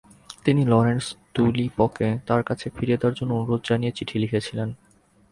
তিনি লরেন্সকে দুলীপকে তার কাছে ফিরিয়ে দেওয়ার অনুরোধ জানিয়ে চিঠি লিখেছিলেন।